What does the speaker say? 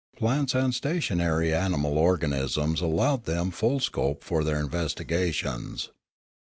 Plants and stationary animal organisms allowed them full scope for their investigations.